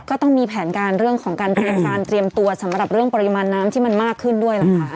ก็ต้องมีแผนการเรื่องของการเตรียมการเตรียมตัวสำหรับเรื่องปริมาณน้ำที่มันมากขึ้นด้วยล่ะค่ะ